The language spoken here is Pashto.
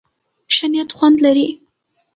ښه نيت خوند لري.